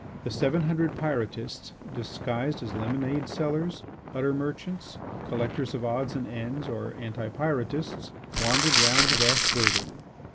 The seven hundred Pyrotists disguised as lemonade sellers, gutter merchants, collectors of odds and ends, or anti Pyrotists, wandered round the vast building.